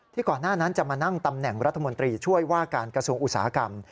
ก่อนหน้านั้นจะมานั่งตำแหน่งรัฐมนตรีช่วยว่าการกระทรวงอุตสาหกรรม